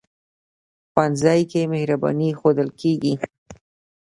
ښوونځی کې مهرباني ښودل کېږي